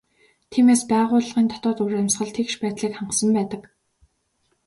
Тиймээс байгууллагын дотоод уур амьсгал тэгш байдлыг хангасан байдаг.